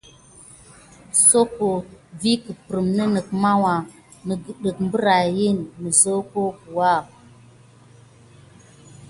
Soko vikeppremk màwuà nəgət mbardi mubosuwa.